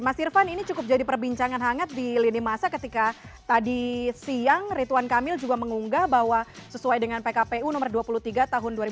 mas irvan ini cukup jadi perbincangan hangat di lini masa ketika tadi siang rituan kamil juga mengunggah bahwa sesuai dengan pkpu nomor dua puluh tiga tahun dua ribu dua puluh